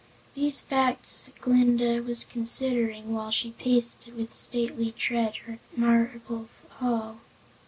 These facts Glinda was considering while she paced with stately tread her marble hall.